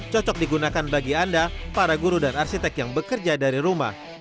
cocok digunakan bagi anda para guru dan arsitek yang bekerja dari rumah